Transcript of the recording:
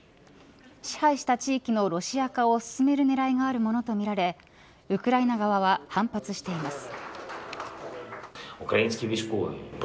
支配した地域のロシア化を進める狙いがあるものとみられウクライナ側は反発しています。